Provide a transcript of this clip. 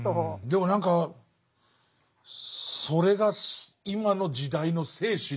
でも何かそれが今の時代の精神なのかなっていう。